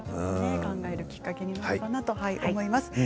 考えるきっかけになればなと思います。